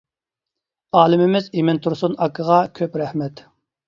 ئالىمىمىز ئىمىن تۇرسۇن ئاكىغا كۆپ رەھمەت!